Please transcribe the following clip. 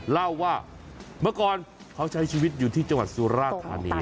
เล่าว่าเมื่อก่อนเขาใช้ชีวิตอยู่ที่จังหวัดสุราธานี